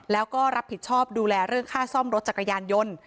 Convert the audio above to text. แล้วก็รับผิดชอบดูแลเรื่องค่าซ่อมรถจักรยานยนต์